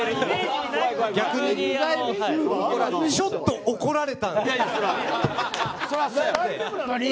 ちょっと怒られた。